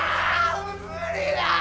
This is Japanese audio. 無理だ！